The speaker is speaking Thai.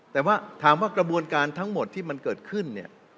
แต่ว่าถามว่ากระบวนการทั้งหมดที่มันเกิดขึ้นเนี่ย